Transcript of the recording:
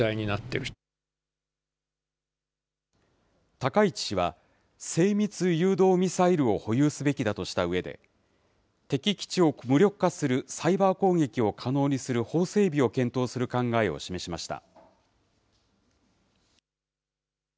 高市氏は、精密誘導ミサイルを保有すべきだとしたうえで、敵基地を無力化するサイバー攻撃を可能にする法整備を検討する考えを示しました。